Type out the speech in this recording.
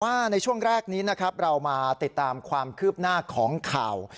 ว่าในช่วงแรกนี้นะครับเรามาติดตามความคืบหน้าของข่าว